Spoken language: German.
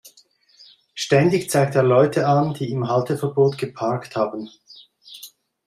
Ständig zeigt er Leute an, die im Halteverbot geparkt haben.